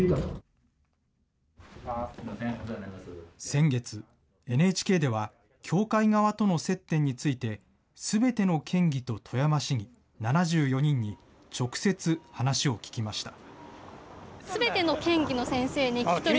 先月、ＮＨＫでは教会側との接点について、すべての県議と富山市議７４人に直接話を聞きました。